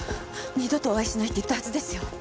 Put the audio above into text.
二度とお会いしないって言ったはずですよ。